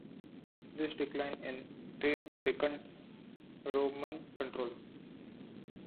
This decline in trade weakened Roman control.